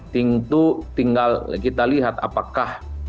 tentu tinggal kita lihat apakah